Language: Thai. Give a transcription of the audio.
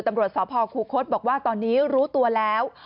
ตำรวจสพคูคศบอกว่าตอนนี้รู้ตัวแล้ว